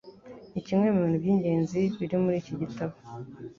Ni kimwe mu bintu by'ingenzi biri muri iki gitabo.